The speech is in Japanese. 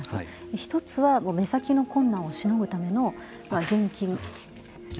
１つは、目先の困難をしのぐための現金。